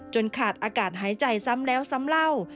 ขาดอากาศหายใจซ้ำแล้วซ้ำเล่า